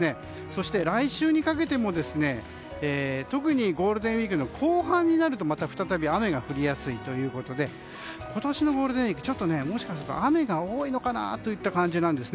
そして、来週にかけて特にゴールデンウィークの後半になると雨が降りやすいということで今年のゴールデンウィークちょっと、もしかすると雨が多いのかなといった感じです。